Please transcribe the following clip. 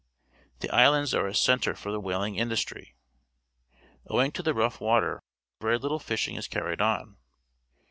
The islands are a centre for the whaling industry. Owing to the rough water very little fishing is carried on.